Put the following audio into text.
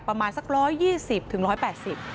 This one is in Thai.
ประมาณสัก๑๒๐๑๘๐บาท